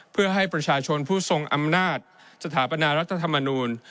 เพื่อให้ประชาชนผู้ทรงอำนาจสถาปนารัฐธรรมนูล